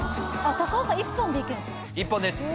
１本です。